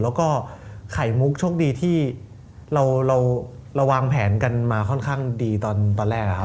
แล้วก็ไข่มุกโชคดีที่เราวางแผนกันมาค่อนข้างดีตอนแรก